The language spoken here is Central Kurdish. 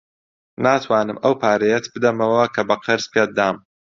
ناتوانم ئەو پارەیەت بدەمەوە کە بە قەرز پێت دام.